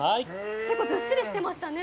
ずっしりしてましたね。